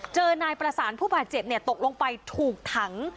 นายประสานผู้บาดเจ็บตกลงไปถูกถัง